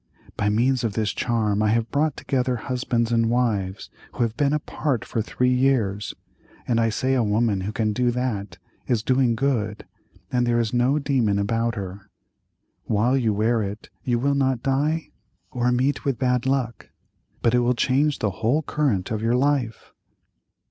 By means of this charm I have brought together husbands and wives who have been apart for three years, and I say a woman who can do that is doing good, and there is no demon about her. While you wear it you will not die or meet with bad luck, but it will change the whole current of your life."